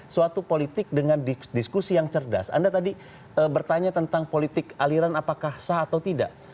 suatu politik dengan diskusi yang cerdas anda tadi bertanya tentang politik aliran apakah sah atau tidak